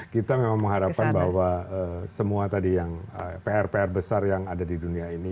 kita memang mengharapkan bahwa semua tadi yang pr pr besar yang ada di dunia ini